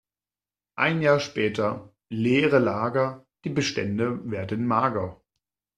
Ein Jahr später: Leere Lager, die Bestände werden mager.